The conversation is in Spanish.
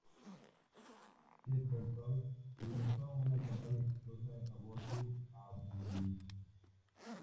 Chesterton organizó una campaña exitosa en favor de su abolición.